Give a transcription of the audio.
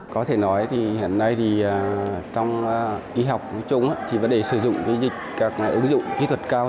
có thể nói thì hiện nay trong kỹ học chung thì vấn đề sử dụng các ứng dụng kỹ thuật cao